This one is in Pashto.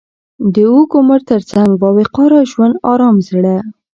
د اوږد عمر تر څنګ، با وقاره ژوند، ارام زړه،